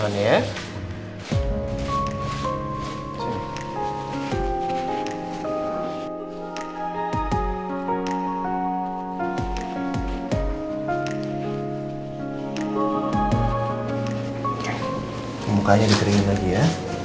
oke mukanya dikeringin lagi ya